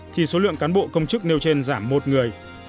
thì số lượng cán bộ công chức nêu trên giảm một người